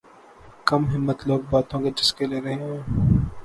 کم ہمت لوگ باتوں کے چسکے لے رہے ہیں